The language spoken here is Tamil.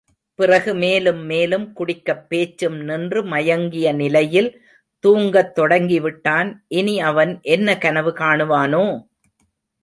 பிறகு மேலும் மேலும் குடிக்கப் பேச்சும் நின்று மயங்கிய நிலையில் தூங்கத்தொடங்கிவிட்டான் இனி அவன் என்ன கனவு காணுவானோ?